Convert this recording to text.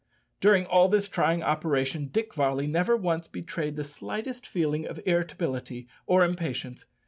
During all this trying operation Dick Varley never once betrayed the slightest feeling of irritability or impatience.